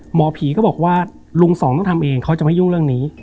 หมอผีก็บอกว่าลุงสองต้องทำเองเขาจะไม่ยุ่งเรื่องนี้